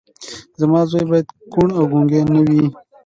زما زوی باید کوڼ او ګونګی نه وي